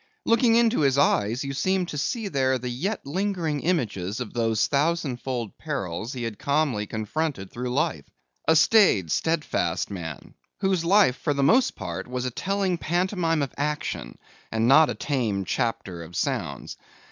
Looking into his eyes, you seemed to see there the yet lingering images of those thousand fold perils he had calmly confronted through life. A staid, steadfast man, whose life for the most part was a telling pantomime of action, and not a tame chapter of sounds.